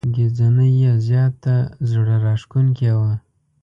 ګهیځنۍ یې زياته زړه راښکونکې وه.